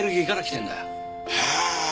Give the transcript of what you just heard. へえ！